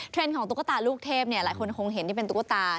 ของตุ๊กตาลูกเทพหลายคนคงเห็นที่เป็นตุ๊กตา